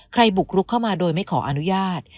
บุกรุกเข้ามาโดยไม่ขออนุญาต